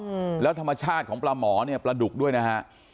อืมแล้วธรรมชาติของปลาหมอเนี้ยปลาดุกด้วยนะฮะ